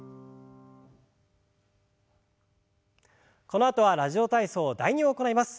このあとは「ラジオ体操第２」を行います。